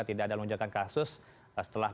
tidak ada lonjakan kasus setelah